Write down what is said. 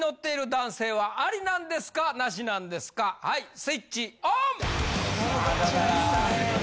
はいスイッチオン！